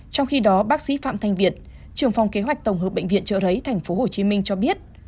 trong khi đó bác sĩ phạm thanh việt trường phòng kế hoạch tổng hợp bệnh viện trợ rấy tp hcm cho biết